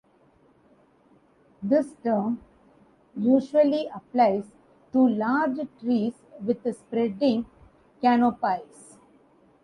This term usually applies to large trees with spreading canopies.